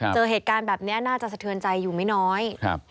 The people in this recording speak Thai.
เจอเหตุการณ์แบบนี้น่าจะสะเทือนใจอยู่ไม่น้อย